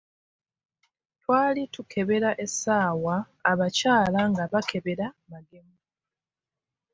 Twali tukebera essaawa, Abakyala nga bakebera magemu.